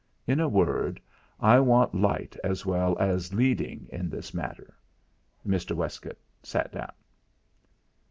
In a word, I want light as well as leading in this matter." Mr. Westgate sat down.